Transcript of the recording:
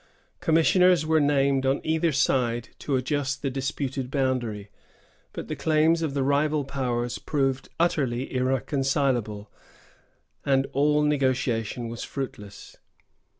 Commissioners were named on either side to adjust the disputed boundary; but the claims of the rival powers proved utterly irreconcilable, and all negotiation was fruitless.